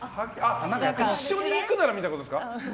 一緒に行くならみたいなことですか？